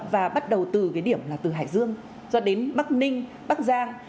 và bắt đầu từ cái điểm là từ hải dương cho đến bắc ninh bắc giang